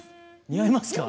似合いますか？